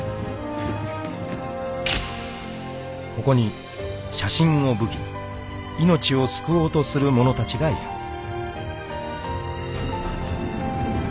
［ここに写真を武器に命を救おうとする者たちがいる］